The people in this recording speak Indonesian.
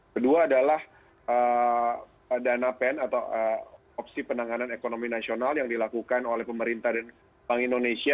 kedua adalah dana pen atau opsi penanganan ekonomi nasional yang dilakukan oleh pemerintah dan bank indonesia